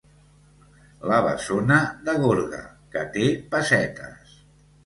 La bessona de Gorga, que té pessetes.